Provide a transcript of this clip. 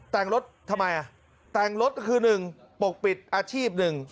แต่งรถทำไมแต่งรถคือ๑ปกปิดอาชีพ๑